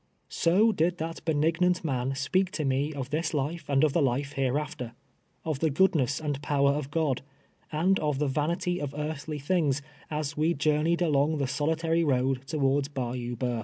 So did that benignant man speak to me of this life and of the life hereafter ; of the goodness and power of God, and of the vanity of earthly things, as we journeyed along the solitary road towards Bayou Bffiuf.